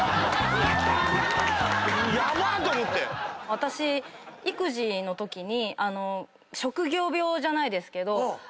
私育児のときに職業病じゃないですけど。